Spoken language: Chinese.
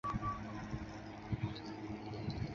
云南小连翘为藤黄科金丝桃属下的一个亚种。